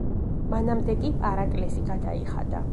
მანამდე კი პარაკლისი გადაიხადა.